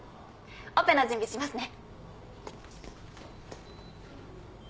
オペの準備しますね。